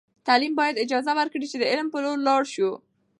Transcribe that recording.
تعلیم باید اجازه ورکړي چې د علم په لور لاړ سو.